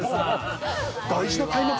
大事な開幕戦。